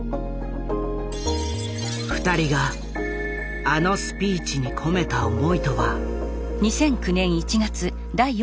２人があのスピーチに込めた思いとは。